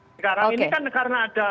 sekarang ini kan karena ada